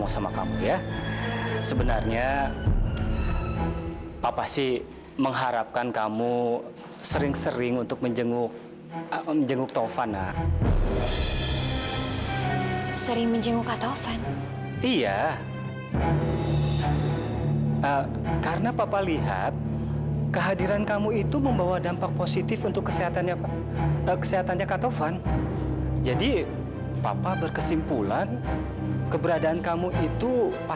sampai jumpa di video selanjutnya